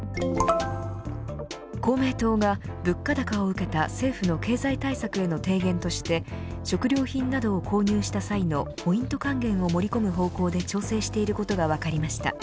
公明党が、物価高を受けた政府の経済対策への提言として食料品などを購入した際のポイント還元を盛り込む方向で調整していることが分かりました。